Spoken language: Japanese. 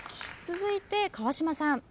続いて川島さん。